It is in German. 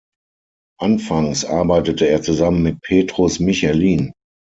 Anfangs arbeitete er zusammen mit Petrus Michelin.